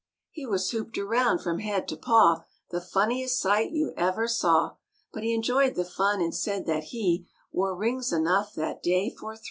He was hooped around from head to paw, The funniest sight you ever saw; But he enjoyed the fun and said that he Wore rings enough that day for three.